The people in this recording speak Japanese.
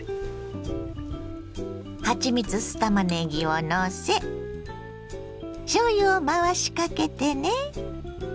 はちみつ酢たまねぎをのせしょうゆを回しかけてね。